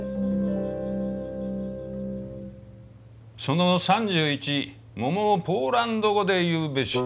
「その３１桃をポーランド語で言うべし」。